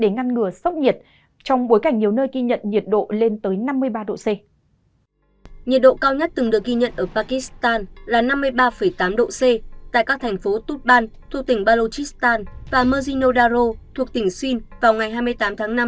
nhưng người lao động cho biết họ cần phải làm việc để kiếm tiền